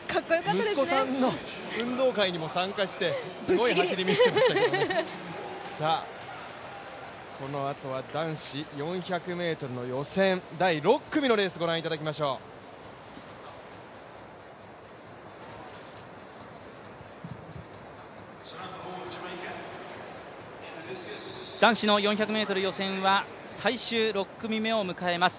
息子さんの運動会にも参加してすごい走りを見せていましたけどこのあとは男子４００ｍの予選、第６組のレースをご覧いただきましょう男子の４００ｍ予選は最終６組目を迎えます。